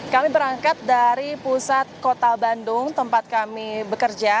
kami berangkat dari pusat kota bandung tempat kami bekerja